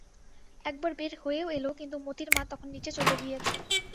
একবার বের হয়েও এল কিন্তু মোতির মা তখন নীচে চলে গিয়েছে।